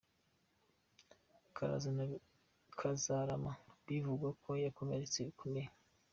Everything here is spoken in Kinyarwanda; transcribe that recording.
Kazarama bivugwa ko yakomeretse bikomeye